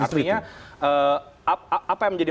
artinya apa yang menjadi